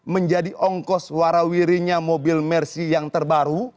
menjadi ongkos warawirinya mobil mersi yang terbaru